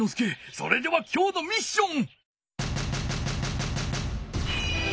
それではきょうのミッション！